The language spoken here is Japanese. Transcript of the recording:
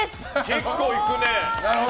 結構いくね。